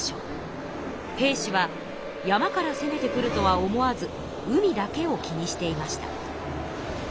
平氏は山からせめてくるとは思わず海だけを気にしていました。